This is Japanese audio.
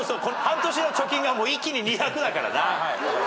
半年の貯金が一気に２００だからな。